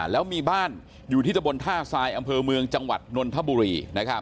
แล้วมีบ้านอยู่ที่ตะบนท่าทรายอำเภอเมืองจังหวัดนนทบุรี